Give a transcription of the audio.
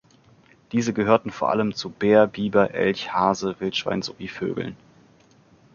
Diese gehörten vor allem zu Bär, Biber, Elch, Hase Wildschwein sowie Vögeln.